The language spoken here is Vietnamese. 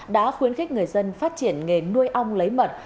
đã khuyến khích người dân phát triển nghề nuôi ong lấy mật